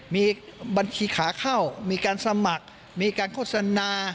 มีบัญชีขาเข้ามีการสมัครมีการโฆษณา